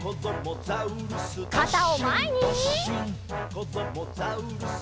「こどもザウルス